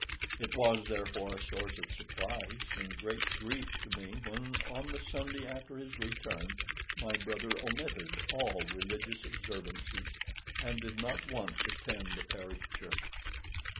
It was, therefore, a source of surprise and great grief to me when on the Sunday after his return my brother omitted all religious observances, and did not once attend the parish church.